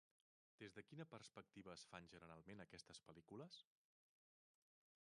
Des de quina perspectiva es fan generalment aquestes pel·lícules?